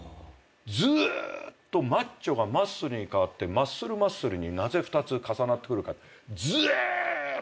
ずーっとマッチョがマッスルに変わってマッスルマッスルになぜ２つ重なってくるか。